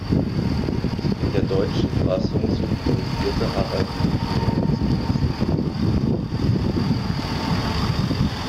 In der deutschen Fassung synchronisierte Harald Juhnke Elvis Presley.